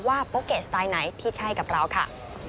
โปเกะสไตล์ไหนที่ใช่กับเราค่ะ